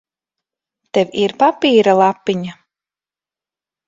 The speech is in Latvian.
Tev ir papīra lapiņa?